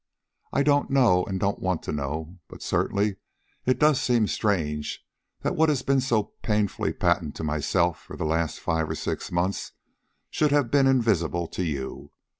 I don't know and don't want to know, but certainly it does seem strange that what has been so painfully patent to myself for the last five or six months, should have been invisible to you.